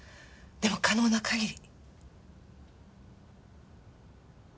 でも可能な限り。